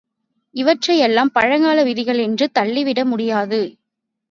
இவற்றையெல்லாம் பழங்கால விதிகள் என்று தள்ளிவிட முடியாது.